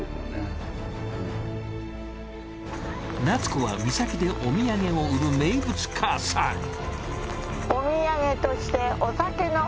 夏子は岬でお土産を売る名物母さん。